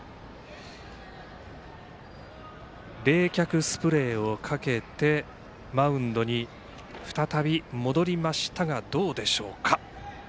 冷却スプレーをかけてマウンドに再び戻りましたがどうでしょうか。